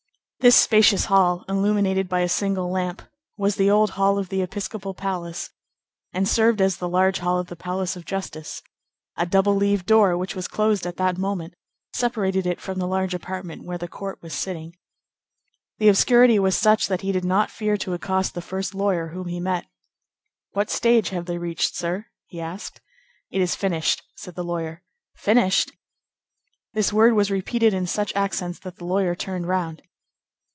This spacious hall, illuminated by a single lamp, was the old hall of the episcopal palace, and served as the large hall of the palace of justice. A double leaved door, which was closed at that moment, separated it from the large apartment where the court was sitting. The obscurity was such that he did not fear to accost the first lawyer whom he met. "What stage have they reached, sir?" he asked. "It is finished," said the lawyer. "Finished!" This word was repeated in such accents that the lawyer turned round.